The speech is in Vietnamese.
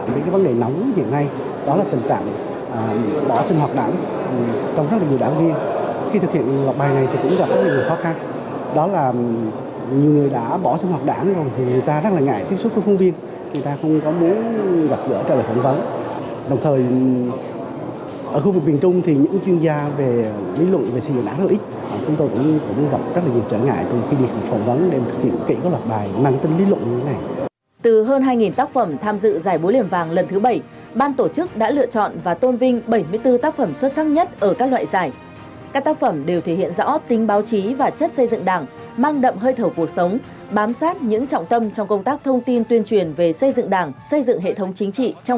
phản ánh khách quan tình trạng bỏ sinh hoạt đảng viên tuyến phóng sự tăng cường công tác quản lý đảng viên